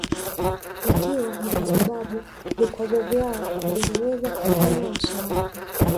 Ikiwa ni kwa sababu vikwazo vyao vilivyoweza kukera uso wake